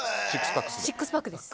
シックスパックです。